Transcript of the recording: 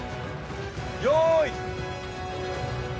よい。